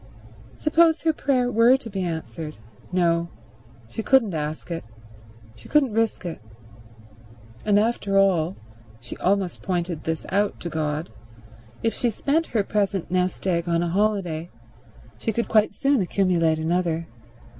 Suppose her prayer were to be answered? No; she couldn't ask it; she couldn't risk it. And after all—she almost pointed this out to God—if she spent her present nest egg on a holiday she could quite soon accumulate another.